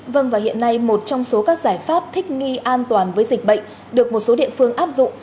vâng và hiện nay một trong số các giải pháp thích nghi an toàn với dịch bệnh được một số địa phương áp dụng